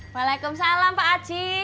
waalaikumsalam pak haji